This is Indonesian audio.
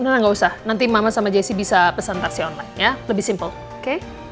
nggak usah nanti mama sama jessy bisa pesan taksi online ya lebih simpel oke